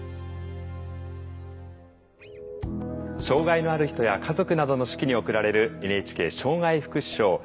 障害のある人や家族などの手記に贈られるＮＨＫ障害福祉賞。